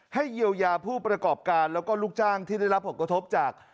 เยียวยาผู้ประกอบการแล้วก็ลูกจ้างที่ได้รับผลกระทบจาก